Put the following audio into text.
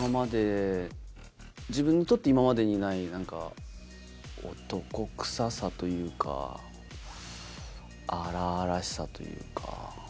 自分にとって今までにない何か男くささというか荒々しさというか。